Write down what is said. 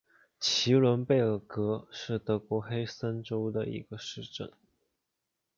齐伦贝尔格是德国黑森州的一个市镇。